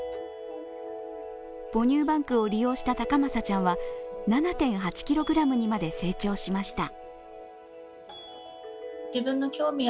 母乳バンクを利用したたかまさちゃんは７．８ｋｇにまで成長しました。